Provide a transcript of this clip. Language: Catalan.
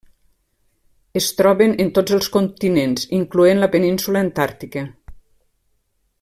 Es troben en tots els continents incloent la península antàrtica.